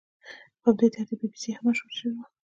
په همدې ترتیب بي بي سي هم مشهوره شوې وه.